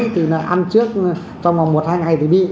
thì ăn trước trong một hai ngày thì bị